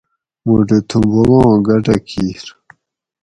موٹو تھوں بوباں گٹہ کیر